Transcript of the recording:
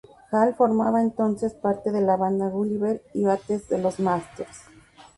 Hall formaba entonces parte de la banda Gulliver y Oates de los Masters.